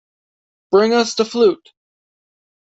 Bring us the flute!